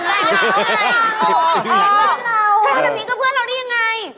ถ้าเป็นแบบนี้ก็เพื่อนเราได้ยังไง